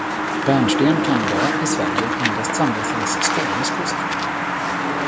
Bärnsten kan idag, i Sverige, endast samlas längs Skånes kuster.